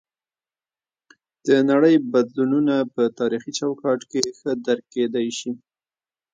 د نړۍ بدلونونه په تاریخي چوکاټ کې ښه درک کیدی شي.